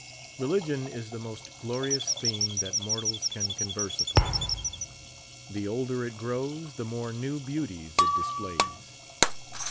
Religion is the most glorious theme that mortals can converse upon. The older it grows the more new beauties it displays.